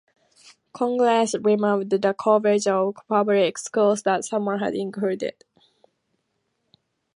Congress removed the coverage of public schools that Sumner had included.